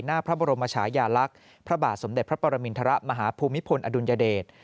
หน้าพระบรมชายาลักษณ์พระบาทสมเด็จพระปรมินทรมาฮภูมิพลอดุลยเดช